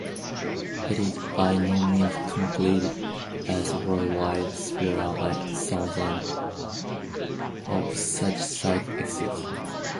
It is by no means complete, as worldwide, several thousands of such sites exist.